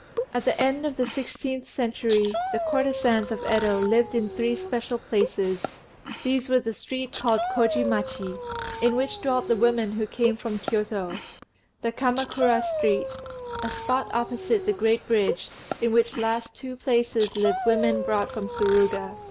] At the end of the sixteenth century the courtesans of Yedo lived in three special places: these were the street called Kôji machi, in which dwelt the women who came from Kiôto; the Kamakura Street, and a spot opposite the great bridge, in which last two places lived women brought from Suruga.